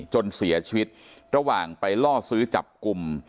จนเสียชีวิตระหว่างไปล่อซื้อจับกลุ่ม